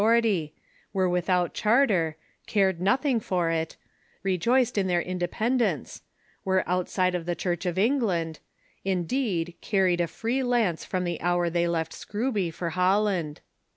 446 THE CHURCM IN" THE UNITED STATES ity; were without charter; cared nothing for it; rejoiced in their independence ; were outside of the Church of England ; indeed, carried a free lance from the hour they left Scrooby for Holland.